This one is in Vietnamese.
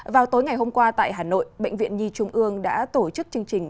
vào tối ngày hôm qua tại hà nội bệnh viện nhi trung ương đã tổ chức chương trình